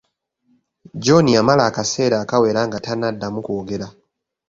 John yamala akaseera akawera nga tanaddamu kwogera.